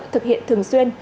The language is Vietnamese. thực hiện thường xuyên